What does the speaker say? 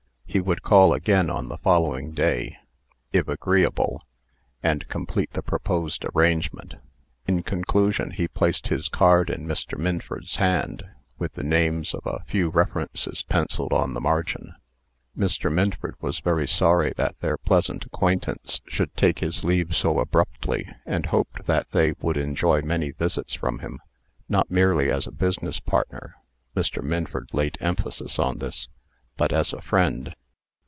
He would call again on the following day, if agreeable, and complete the proposed arrangement. In conclusion, he placed his card in Mr. Minford's hand, with the names of a few references pencilled on the margin. Mr. Minford was very sorry that their pleasant acquaintance should take his leave so abruptly, and hoped that they would enjoy many visits from him, not merely as a business partner (Mr. Minford laid emphasis on this), but as a friend.